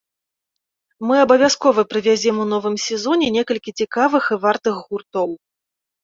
Мы абавязкова прывязем у новым сезоне некалькі цікавых і вартых гуртоў.